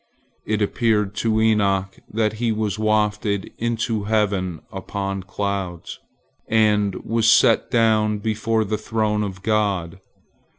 It appeared to Enoch that he was wafted into heaven upon clouds, and was set down before the throne of God.